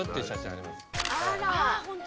あら！